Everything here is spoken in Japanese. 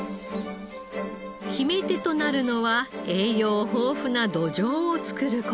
決め手となるのは栄養豊富な土壌を作る事。